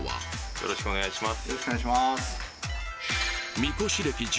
よろしくお願いします